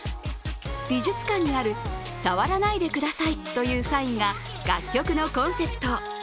美術館にある「触らないでください」というサインが楽曲のコンセプト。